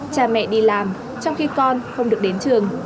cha mẹ đi làm trong khi con không được đến trường